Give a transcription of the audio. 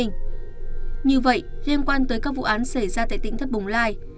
như vậy liên quan tới các vụ án xảy ra tại tỉnh thất bồng lai